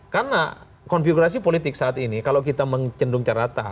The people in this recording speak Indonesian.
karena konfigurasi politik saat ini kalau kita mencendung secara rata